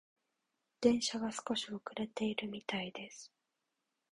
電車が少し遅れているみたいです。